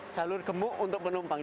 jalur gemuk untuk penumpang